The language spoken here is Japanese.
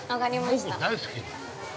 僕、大好き。